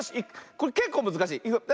これけっこうむずかしい。